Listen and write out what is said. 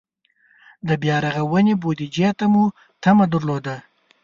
د بیا رغونې بودجې ته مو تمه درلوده.